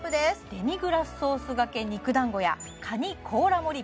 デミグラスソース掛け肉団子やカニ甲羅盛り